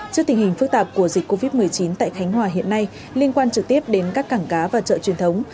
trước tình hình phức tạp của dịch covid một mươi chín tại khánh hòa hiện nay liên quan trực tiếp đến các cảng cá và chợ truyền thống